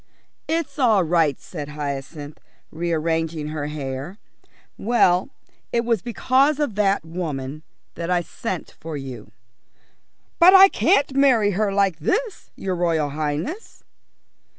"It's all right," said Hyacinth, rearranging her hair. "Well, it was because of that woman that I sent for you." "But I can't marry her like this, your Royal Highness."